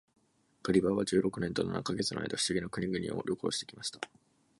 ガリバーは十六年と七ヵ月の間、不思議な国々を旅行して来ました。